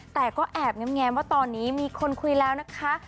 แต่ก็แอบแง้มว่าตอนนี้มีคนคุยแล้วนะคะ